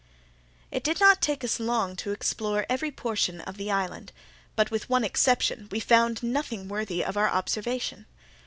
It did not take us long to explore every portion of the island, but, with one exception, we found nothing worthy of our observation.